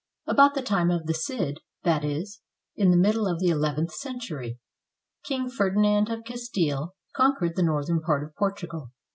About the time of the Cid, that is, in the middle of the eleventh cen tury. King Ferdinand of Castile conquered the northern part of Portugal.